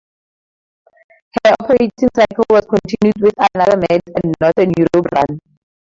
Her operating cycle was continued with another Med and Northern Europe run.